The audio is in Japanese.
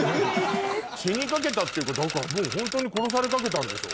死にかけたってもうホントに殺されかけたんでしょ？